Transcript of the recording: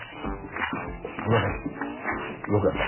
伊賀崎よくやった。